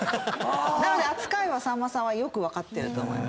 なので扱いはさんまさんよく分かってると思いますよ。